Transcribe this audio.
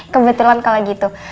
kebetulan kalo gitu